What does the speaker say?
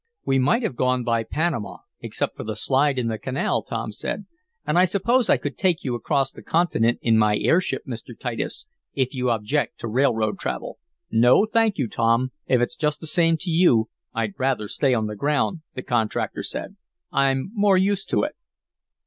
"We might have gone by Panama except for the slide in the canal," Tom said. "And I suppose I could take you across the continent in my airship, Mr. Titus, if you object to railroad travel." "No, thank you, Tom. If it's just the same to you, I'd rather stay on the ground," the contractor said. "I'm more used to it."